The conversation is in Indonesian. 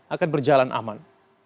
akan berjalan aman